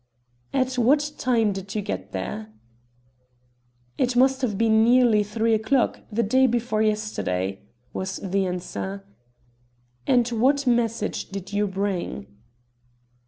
"At what time did you go there?" "It must have been nearly three o'clock, the day before yesterday," was the answer. "And what message did you bring?"